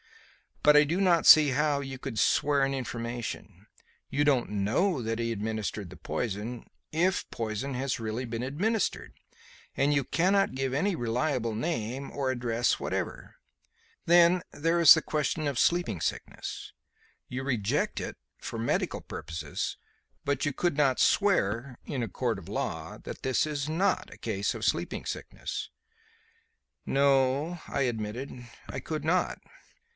But I do not see how you could swear an information. You don't know that he administered the poison if poison has really been administered and you cannot give any reliable name or any address whatever. Then there is the question of sleeping sickness. You reject it for medical purposes, but you could not swear, in a court of law, that this is not a case of sleeping sickness." "No," I admitted, "I could not."